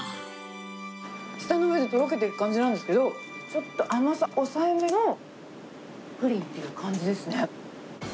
舌の上でとろけていく感じなんですけど、ちょっと甘さ抑えめのプリンっていうような感じですね。